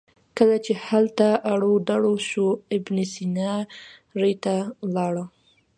کله چې هلته اړو دوړ شو ابن سینا ري ته ولاړ.